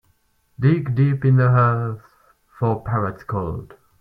Dig deep in the earth for pirate's gold.